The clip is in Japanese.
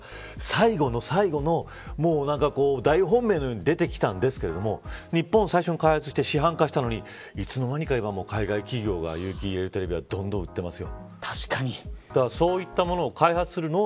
最後の最後の大本命のように出てきたんですけど日本が最初に開発して市販化したのにいつの間にか、海外企業が有機ＥＬテレビを作って売っています。